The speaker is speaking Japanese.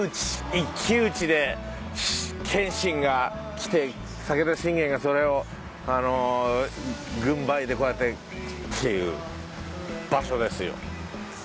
一騎打ちで謙信が来て武田信玄がそれを軍配でこうやってっていう場所ですよ。